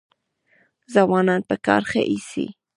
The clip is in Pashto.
ځوانان په کار ښه ایسي.